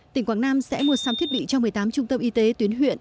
tỉnh quảng nam sẽ mua sắm thiết bị cho một mươi tám trung tâm y tế tuyến huyện